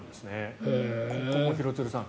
ここも廣津留さん